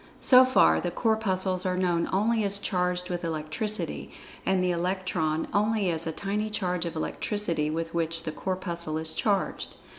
So far the Corpuscles are known only as[Pg 74] charged with Electricity, and the Electron only as a tiny charge of Electricity with which the Corpuscle is charged.